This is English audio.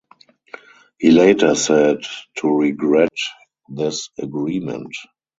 He later said to regret this agreement.